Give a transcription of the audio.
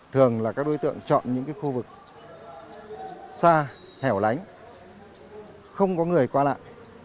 đối với các đối tượng chọn những khu vực xa hẻo lánh không có người qua lại